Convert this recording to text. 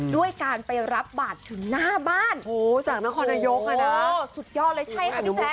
ด้วยการไปรับบาทถึงหน้าบ้านโอ้จากนครนายกอ่ะเด้อสุดยอดเลยใช่ค่ะพี่แจ๊